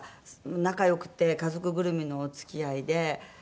仲良くて家族ぐるみのお付き合いで。